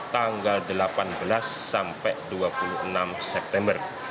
tanggal delapan belas sampai dua puluh enam september